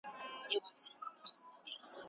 څېړنه د پوهې د رڼا یوه سرچینه ده.